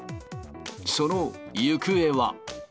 その行方は。